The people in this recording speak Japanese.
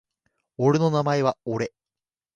俺の名前は俺